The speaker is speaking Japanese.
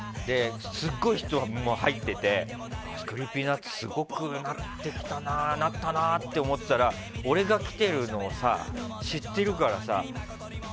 すごい人が入っててＣｒｅｅｐｙＮｕｔｓすごくなったなって思ってたら俺が来てるのを知ってるからさ。